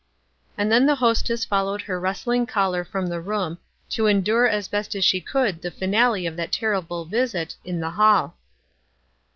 And then the hostess followed her rustling caller from the room, to endure as best she could the finale of that terrible visit in the hall.